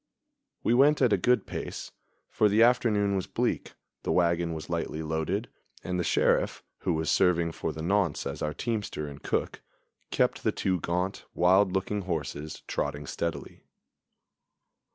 We went at a good pace, for the afternoon was bleak, the wagon was lightly loaded, and the Sheriff, who was serving for the nonce as our teamster and cook, kept the two gaunt, wild looking horses trotting steadily.